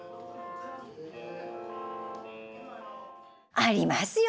ありますよ